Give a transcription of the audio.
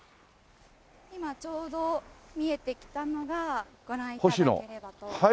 今ちょうど見えてきたのがご覧頂ければと思います。